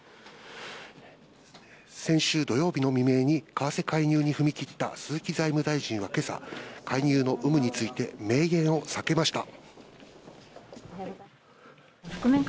先週土曜日の未明に為替介入に踏み切った鈴木財務大臣は今朝、介入の有無について明言を避けました。